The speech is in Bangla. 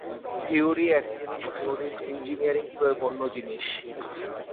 থিওরি এক জিনিস, থিওরির ইনজিনিয়ারিং প্রয়োগ অন্য জিনিস।